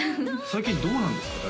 最近どうなんですか？